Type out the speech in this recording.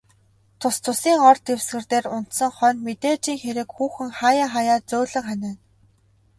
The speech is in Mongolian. Тус тусын ор дэвсгэр дээр унтсан хойно, мэдээжийн хэрэг хүүхэн хааяа хааяа зөөлөн ханиана.